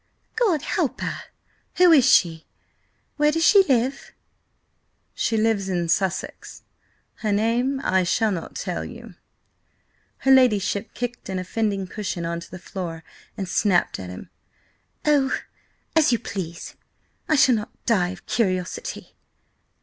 "God help her! Who is she? Where does she live?" "She lives in Sussex. Her name I shall not tell you." Her ladyship kicked an offending cushion on to the floor, and snapped at him. "Oh, as you please! I shall not die of curiosity!"